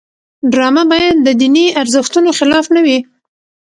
ډرامه باید د دیني ارزښتونو خلاف نه وي